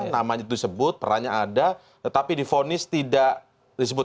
namanya itu disebut perannya ada tetapi di vonis tidak disebut